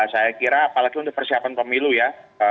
saya kira apalagi untuk persiapan pemilu ya